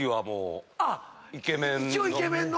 一応イケメンの。